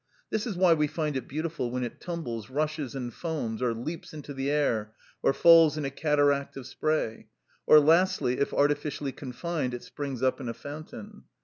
This is why we find it beautiful when it tumbles, rushes, and foams, or leaps into the air, or falls in a cataract of spray; or, lastly, if artificially confined it springs up in a fountain.